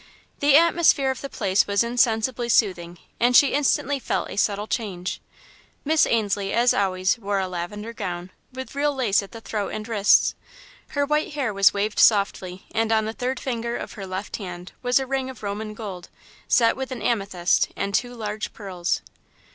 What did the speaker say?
The atmosphere of the place was insensibly soothing and she instantly felt a subtle change. Miss Ainslie, as always, wore a lavender gown, with real lace at the throat and wrists. Her white hair was waved softly and on the third finger of her left hand was a ring of Roman gold, set with an amethyst and two large pearls.